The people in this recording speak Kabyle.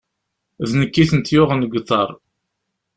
D nekk i tent-yuɣen g uḍaṛ.